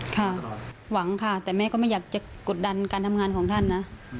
ค่ะหวังค่ะแต่แม่ก็ไม่อยากจะกดดันการทำงานของท่านนะ